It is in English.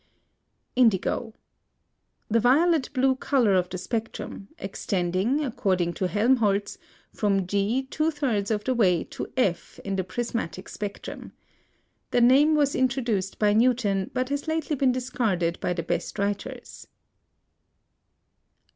+ INDIGO. The violet blue color of the spectrum, extending, according to Helmholtz, from G two thirds of the way to F in the prismatic spectrum. The name was introduced by Newton, but has lately been discarded by the best writers.